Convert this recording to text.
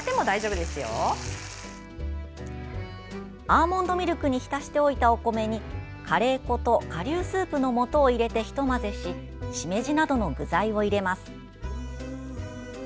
アーモンドミルクに浸しておいたお米にカレー粉とかりゅうスープの素を入れてひと混ぜししめじなどの具材を入れます。